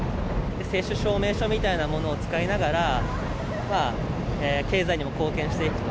接種証明書みたいなものを使いながら、経済にも貢献していくと。